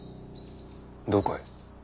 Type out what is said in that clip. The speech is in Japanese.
どこへ？